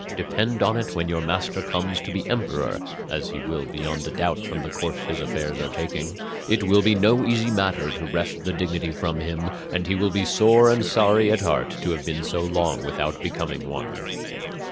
Depend upon it when your master comes to be emperor (as he will beyond a doubt from the course his affairs are taking), it will be no easy matter to wrest the dignity from him, and he will be sore and sorry at heart to have been so long without becoming one."